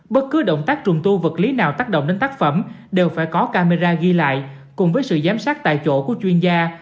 bất cứ động tác trùng tu vật lý nào tác động đến tác phẩm đều phải có camera ghi lại cùng với sự giám sát tại chỗ của chuyên gia